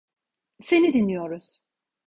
Seni dinliyoruz.